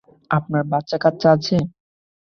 আপনার বাচ্চাকাচ্চা আছে?